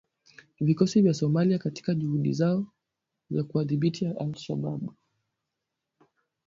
vikosi vya Somalia katika juhudi zao za kuwadhibiti al Shabaab